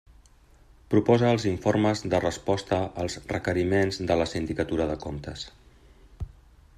Proposa els informes de resposta als requeriments de la Sindicatura de Comptes.